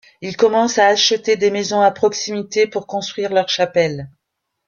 Ils commencent à acheter des maisons à proximité pour construire leur chapelle.